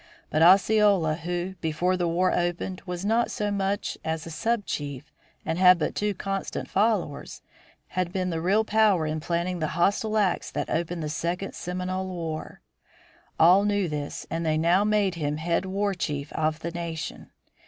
But Osceola who, before the war opened, was not so much as a sub chief and had but two constant followers, had been the real power in planning the hostile acts that opened the second Seminole war. All knew this and they now made him head war chief of the nation.